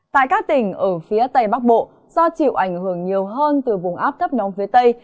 tại các tỉnh ở phía tây bắc bộ do chịu ảnh hưởng nhiều hơn từ vùng áp thấp nóng phía tây